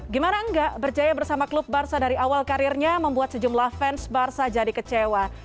gimana enggak berjaya bersama klub barca dari awal karirnya membuat sejumlah fans barca jadi kecewa